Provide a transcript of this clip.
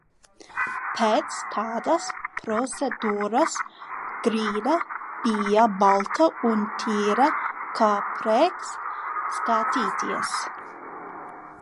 Pēc tādas procedūras grīda bija balta un tīra kā prieks skatīties.